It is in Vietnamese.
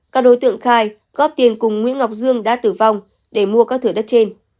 các đối tượng khai góp tiền cùng nguyễn ngọc dương đã tử vong để mua các thửa đất trên